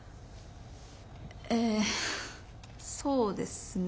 ええそうですね。